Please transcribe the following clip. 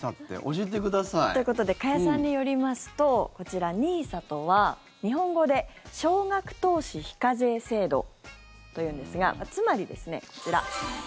教えてください。ということで加谷さんによりますとこちら、ＮＩＳＡとは日本語で少額投資非課税制度というんですがつまりですね、こちら。